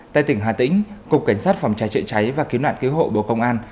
tây tỉnh hà tĩnh cục cảnh sát phòng cháy trợ cháy và cứu nạn cứu hộ bộ công an